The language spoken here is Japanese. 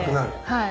はい。